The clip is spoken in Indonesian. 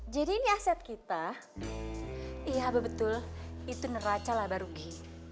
jadi aset kita iya betul itu neraca laba rugi